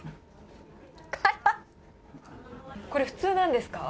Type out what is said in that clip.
これ、普通なんですか。